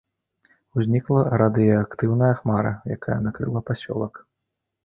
Узнікла радыеактыўная хмара, якая накрыла пасёлак.